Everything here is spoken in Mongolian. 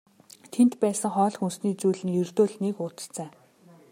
Тэнд байсан хоол хүнсний зүйл нь ердөө л нэг уут цай.